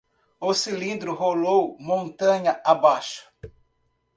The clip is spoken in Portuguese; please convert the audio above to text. O cilindro rolou montanha abaixo